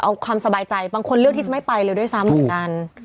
เอาความสบายใจบางคนเลือกที่จะไม่ไปเลยด้วยซ้ำเหมือนกัน